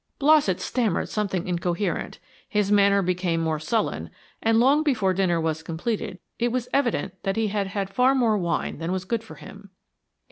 Blossett stammered something incoherent, his manner became more sullen, and long before dinner was completed it was evident that he had had far more wine than was good for him.